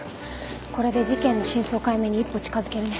これで事件の真相解明に一歩近づけるね。